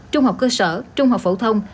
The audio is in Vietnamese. trung học cơ sở trung học phổ thông